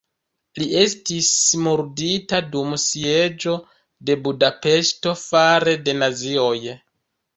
Li estis murdita dum sieĝo de Budapeŝto fare de nazioj.